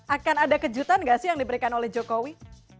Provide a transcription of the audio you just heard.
akan ada kejutan nggak sih yang diberikan oleh jokowi